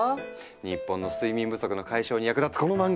日本の睡眠不足の解消に役立つこの漫画！